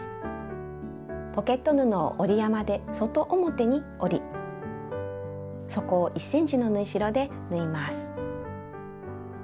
ポケット布を折り山で外表に折り底を１ｃｍの縫い代で縫います。